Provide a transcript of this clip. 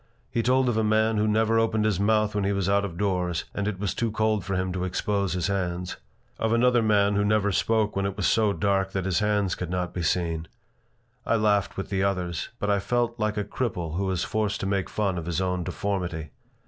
He told of a man who never opened his mouth when he was out of doors and it was too cold for him to expose his hands; of another man who never spoke when it was so dark that his hands could not be seen. I laughed with the others, but I felt like a cripple who is forced to make fun of his own deformity.